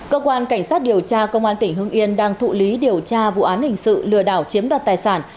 cơ quan cảnh sát điều tra công an tỉnh hưng yên đang thụ lý điều tra vụ án hình sự lừa đảo chiếm đoạt tài sản